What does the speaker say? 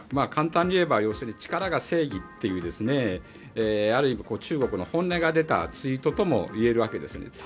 簡単に言えば要するに力が正義というある意味、中国の本音が出たツイートともいえるわけですね。